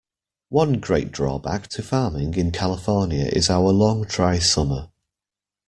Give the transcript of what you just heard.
One great drawback to farming in California is our long dry summer.